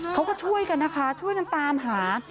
เขาก็ช่วยกันนะคะช่วยกันตามหา